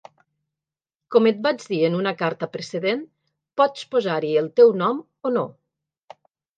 Com et vaig dir en una carta precedent, pots posar-hi el teu nom o no.